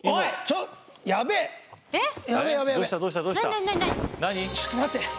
ちょっと待って！